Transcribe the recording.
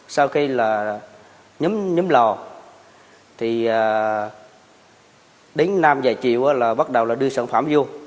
sau khi là nhấm lò thì đến năm giờ chiều là bắt đầu là đưa sản phẩm vô